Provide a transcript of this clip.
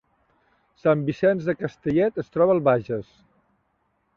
Sant Vicenç de Castellet es troba al Bages